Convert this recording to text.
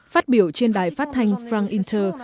phát biểu trên đài phát thanh frank inter